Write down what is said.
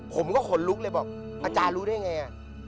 ผมก็ขนลุกเลยบอกอาจารย์รู้ได้ไง